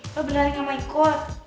lo benerin sama ikut